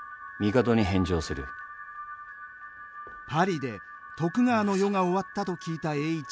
パリで徳川の世が終わったと聞いた栄一。